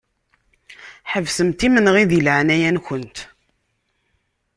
Ḥebsemt imenɣi di leɛnaya-nkent.